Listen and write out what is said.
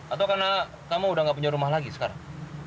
atau karena kamu udah gak punya rumah lagi sekarang